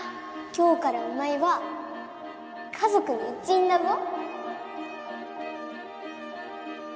今日からお前は家族の一員だぞ